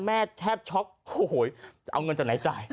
แทบช็อกโอ้โหจะเอาเงินจากไหนจ่าย